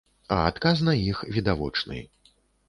А адказ на іх відавочны.